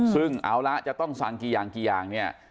ซึ่งเอาละจะต้องสั่งกี่อย่างกี่อย่างเนี่ย